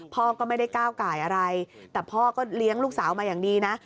พ่อก็ไม่ได้ก้าวไก่อะไรแต่พ่อก็เลี้ยงลูกสาวมาอย่างดีนะ